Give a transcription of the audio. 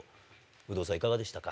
有働さん、いかがでしたか。